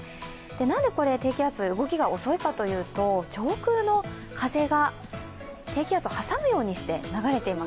何で低気圧の動きが遅いかというと上空の風が低気圧を挟むようにして流れています。